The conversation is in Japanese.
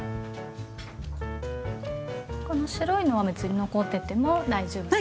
この白いのは別に残ってても大丈夫ですか？